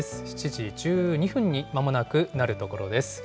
７時１２分にまもなくなるところです。